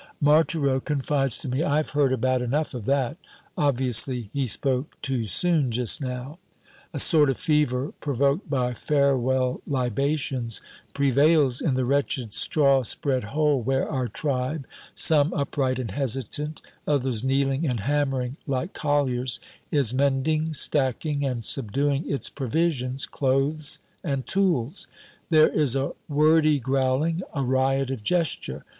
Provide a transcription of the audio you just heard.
Marthereau confides to me, "I've heard about enough of that." Obviously he spoke too soon just now. A sort of fever, provoked by farewell libations, prevails in the wretched straw spread hole where our tribe some upright and hesitant, others kneeling and hammering like colliers is mending, stacking, and subduing its provisions, clothes, and tools. There is a wordy growling, a riot of gesture.